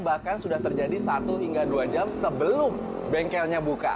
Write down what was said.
bahkan sudah terjadi satu hingga dua jam sebelum bengkelnya buka